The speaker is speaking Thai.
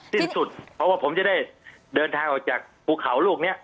สิ้นสุดเพราะว่าผมจะได้เดินทางออกจากภูเขาลูกนี้